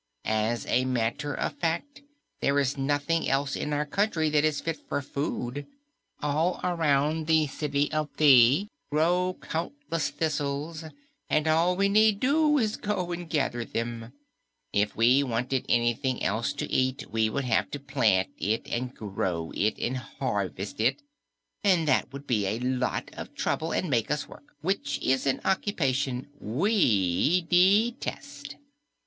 As a matter of fact, there is nothing else in our country that is fit for food. All around the City of Thi grow countless thistles, and all we need do is to go and gather them. If we wanted anything else to eat, we would have to plant it, and grow it, and harvest it, and that would be a lot of trouble and make us work, which is an occupation we detest."